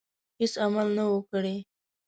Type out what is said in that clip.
هیڅ عمل نه وو کړی.